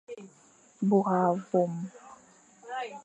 Bôr awôm.